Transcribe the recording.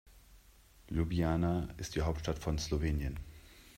Ljubljana ist die Hauptstadt von Slowenien.